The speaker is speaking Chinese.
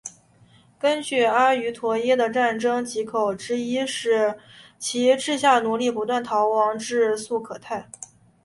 据说阿瑜陀耶的战争藉口之一是其治下奴隶不断逃亡至素可泰。